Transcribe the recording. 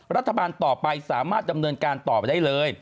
รัฐบาลต่อไปสามารถดำเนินการต่อไปได้เลย